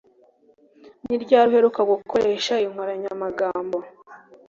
Ni ryari uheruka gukoresha iyi nkoranyamagambo